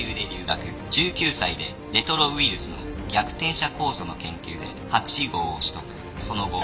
１９歳でレトロウイルスの逆転写酵素の研究で博士号を取得その後。